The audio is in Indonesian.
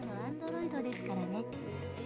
erika adalah robot yang berbicara